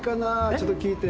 ちょっと聴いて？